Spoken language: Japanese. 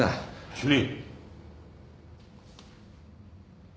主任。